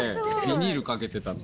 ビニールかけてたので。